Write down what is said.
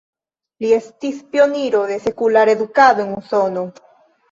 Li estis pioniro de sekulara edukado en Usono.